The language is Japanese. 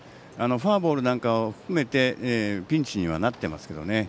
フォアボールなんかを含めてピンチにはなっていますけどね。